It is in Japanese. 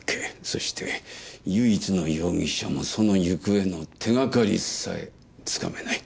そして唯一の容疑者もその行方の手がかりさえつかめない。